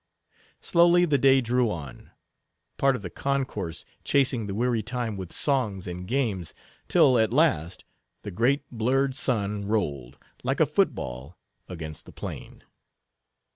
Slowly the day drew on; part of the concourse chasing the weary time with songs and games, till, at last, the great blurred sun rolled, like a football, against the plain.